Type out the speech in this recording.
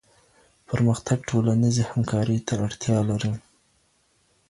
پرمختګ ټولنيزې همکارۍ ته اړتيا لري.